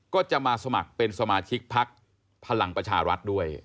ก็จะมาสมัครเป็นสมาชิกพักพลังประชารัฐด้วย